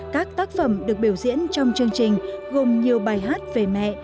các tác phẩm được biểu diễn trong chương trình gồm nhiều bài hát về mẹ